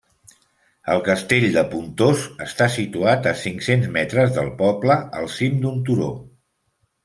El Castell de Pontós està situat a cinc-cents metres del poble, al cim d'un turó.